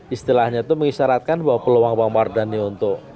istilahnya itu mengisyaratkan bahwa peluang bang mardhani untuk